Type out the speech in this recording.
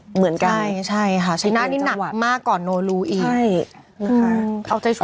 เหมือนกันใช่ใช่ค่ะชัยน่านนี่หนักมากก่อนโนรุอีกใช่อืมเอาใจชุด